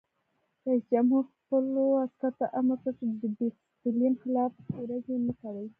رئیس جمهور خپلو عسکرو ته امر وکړ؛ د ډسپلین خلاف ورزي مه کوئ!